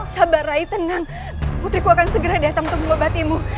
sabar rai tenang putriku akan segera datang untuk mengobatimu